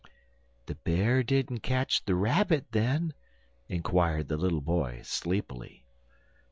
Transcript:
"The Bear didn't catch the Rabbit, then?" inquired the little boy, sleepily.